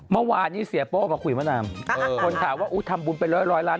เมื่อวานนี้เสียโป้มาคุยมะนามคนถามว่าทำบุญเป็นร้อยล้าน